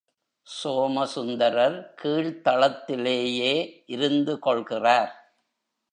சோம சுந்தரர் கீழ்த்தளத்திலேயே இருந்து கொள்கிறார்.